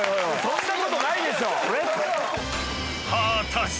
・そんなことないでしょ。